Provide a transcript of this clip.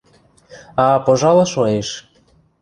– А пожалы шоэш...